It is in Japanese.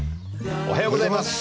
おはようございます。